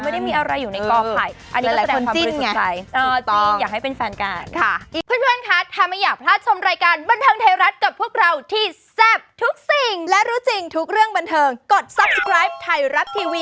ไม่ได้มีอะไรอยู่ในกล้องไข่อันนี้ก็แสดงความรู้สึกใจ